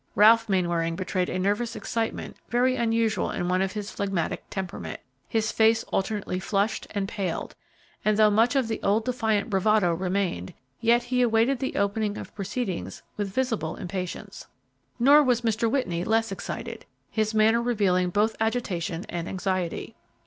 Ralph Mainwaring betrayed a nervous excitement very unusual in one of his phlegmatic temperament; his face alternately flushed and paled, and though much of the old defiant bravado remained, yet he awaited the opening of proceedings with visible impatience. Nor was Mr. Whitney less excited, his manner revealing both agitation and anxiety.